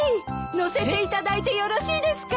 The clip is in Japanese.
乗せていただいてよろしいですか？